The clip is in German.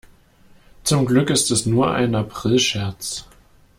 Zum Glück ist es nur ein Aprilscherz.